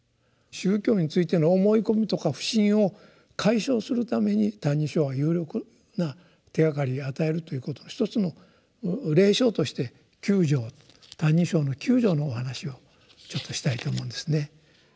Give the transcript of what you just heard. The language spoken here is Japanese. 宗教についての思い込みとか不信を解消するために「歎異抄」は有力な手がかりを与えるということの一つの例証として九条「歎異抄」の九条のお話をちょっとしたいと思うんですね。